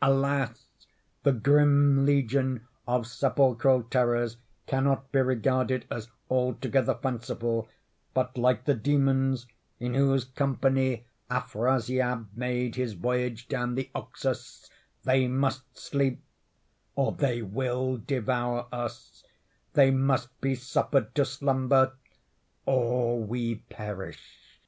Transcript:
Alas! the grim legion of sepulchral terrors cannot be regarded as altogether fanciful—but, like the Demons in whose company Afrasiab made his voyage down the Oxus, they must sleep, or they will devour us—they must be suffered to slumber, or we perish.